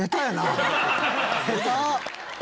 下手！